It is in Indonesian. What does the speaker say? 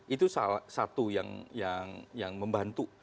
itu satu yang membantu